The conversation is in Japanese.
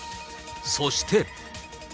そして。